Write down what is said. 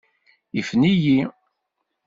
Ifen-iyi.